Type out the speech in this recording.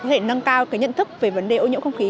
có thể nâng cao cái nhận thức về vấn đề ô nhiễu không khí